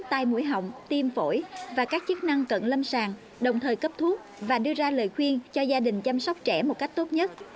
cho hai mũi hỏng tim phổi và các chức năng cận lâm sàng đồng thời cấp thuốc và đưa ra lời khuyên cho gia đình chăm sóc trẻ một cách tốt nhất